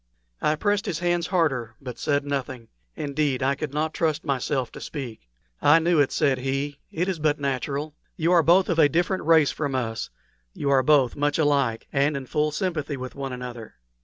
I pressed his hands harder, but said nothing. Indeed, I could not trust myself to speak. "I knew it," said he; "it is but natural. You are both of a different race from us; you are both much alike, and in full sympathy with one another.